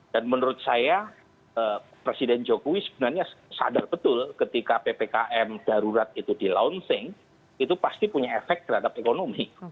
dan menurut saya presiden jokowi sebenarnya sadar betul ketika ppkm darurat itu di launching itu pasti punya efek terhadap ekonomi